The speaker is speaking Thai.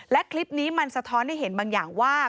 และคลิปนี้มันสะท้อนให้เห็นบางอย่างว่า